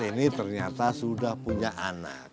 ini ternyata sudah punya anak